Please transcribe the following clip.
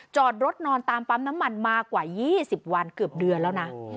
จอดรถนอนตามปั๊มน้ำมันมากว่า๒๐วันเกือบเดือนแล้วนะ